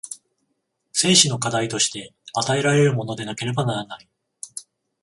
生死の課題として与えられるものでなければならない。